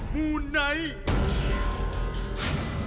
มูไนท์